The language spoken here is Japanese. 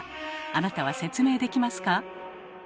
あなたは説明できますか？